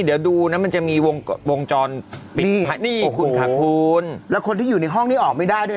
เดี๋ยวดูนะมันจะมีวงจรปิดนี่คุณค่ะคุณแล้วคนที่อยู่ในห้องนี้ออกไม่ได้ด้วย